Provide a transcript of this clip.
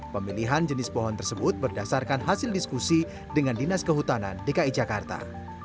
pemilihan jenis pohon tersebut berdasarkan hasil diskusi dengan dinas kehutanan dki jakarta